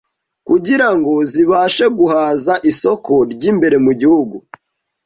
kugira ngo zibashe guhaza isoko ry’imbere mu gihugu.